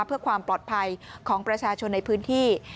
เพื่อความปลอดภัยของประชาชนในพื้นที่